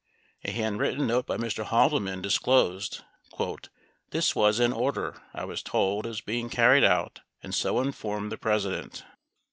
8 A handwritten note by Mr. Haldeman disclosed "this was an order ... I was told it was being carried out and so informed the President.